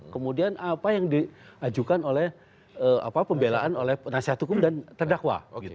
kemudian apa yang diajukan oleh pembelaan oleh penasihat hukum dan terdakwa